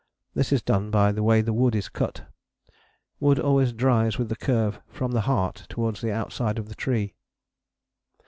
This is done by the way the wood is cut. Wood always dries with the curve from the heart towards the outside of the tree.